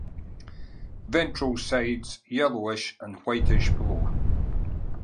Ventral sides yellowish and whitish below.